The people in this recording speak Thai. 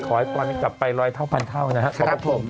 ขอให้ปอนกับไปรอยเท่าพันเท่าครับ